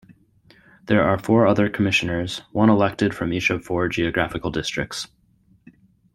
There are four other commissioners, one elected from each of four geographical districts.